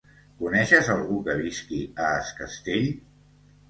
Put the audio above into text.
Coneixes algú que visqui a Es Castell?